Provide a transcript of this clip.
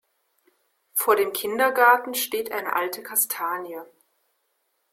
Vor dem Kindergarten steht eine alte Kastanie.